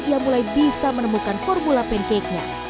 ia mulai bisa menemukan formula pancake nya